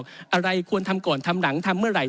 คือที่ผู้หญิงควรทำก่อนถามหลังทำเมื่อไหร่